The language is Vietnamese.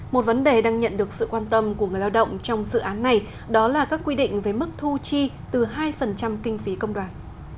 một vấn đề đang nhận được sự quan tâm của người lao động trong dự án này đó là các quy định về mức thu chi từ hai kinh phí công đoàn